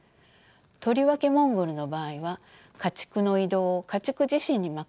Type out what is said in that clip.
とりわけモンゴルの場合は家畜の移動を家畜自身に任せるという特徴があります。